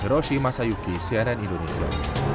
rochie masayuki siaran indonesia